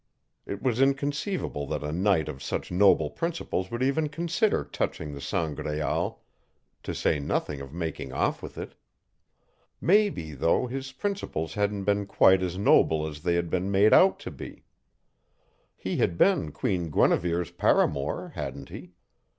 It was inconceivable that a knight of such noble principles would even consider touching the Sangraal, to say nothing of making off with it. Maybe, though, his principles hadn't been quite as noble as they had been made out to be. He had been Queen Guinevere's paramour, hadn't he?